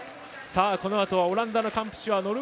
このあとはオランダのカンプシュアー